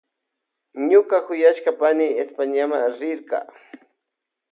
Ñuka kuyashka pani Españama rirka.